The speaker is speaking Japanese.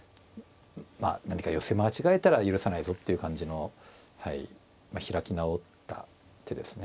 まあ何か寄せ間違えたら許さないぞっていう感じのまあ開き直った手ですね。